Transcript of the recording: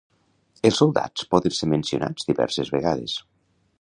Els soldats poden ser mencionats diverses vegades.